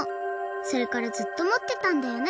それからずっともってたんだよね。